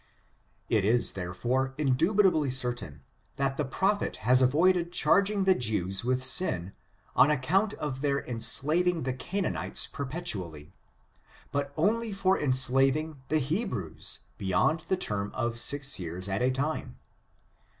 It is, therefore, indubitably certain, that the proph et has avoided chaining the Jews with ain^ on account of their enslaving the Oanaanites perpetually, but only for enslaving the Hebrews beyond the term of six years at a time.